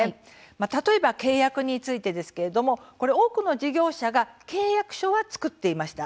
例えば、契約についてですが多くの事業者が契約書は作っていました。